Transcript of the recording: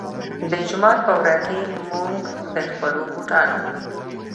جومات پۀ ورۀ کښې مونږ د خپلو بوټانو